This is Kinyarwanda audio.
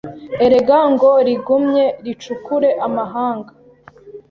Erega ngo rigumye ricukure amahanga